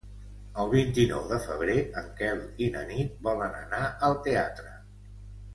El vint-i-nou de febrer en Quel i na Nit volen anar al teatre.